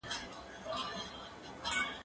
زه اوبه نه پاکوم